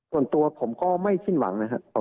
ส่วนตัวผมก็ไม่สิ้นหวังนะครับ